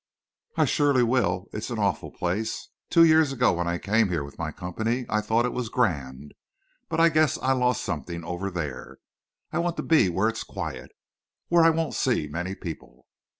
"I surely will. It's an awful place. Two years ago when I came here with my company I thought it was grand. But I guess I lost something over there. ... I want to be where it's quiet. Where I won't see many people."